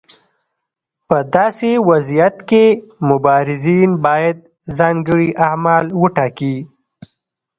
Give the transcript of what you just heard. په داسې وضعیت کې مبارزین باید ځانګړي اعمال وټاکي.